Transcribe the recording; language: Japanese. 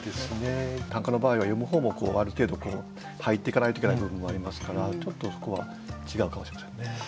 短歌の場合は読む方もある程度入っていかないといけない部分もありますからちょっとそこは違うかもしれませんね。